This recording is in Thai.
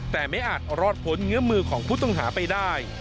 แต่ไม่อาจรอดพ้นเงื้อมือของผู้ต้องหาไปได้